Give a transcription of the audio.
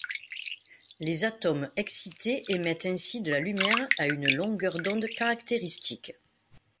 Les atomes excités émettent ainsi de la lumière à une longueur d'onde caractéristique.